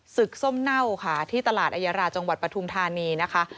ส้มเน่าค่ะที่ตลาดอัยราจังหวัดปทุมธานีนะคะ